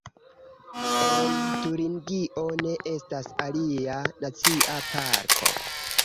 En Turingio ne estas alia nacia parko.